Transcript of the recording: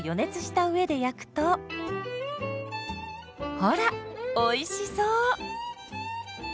ほらおいしそう！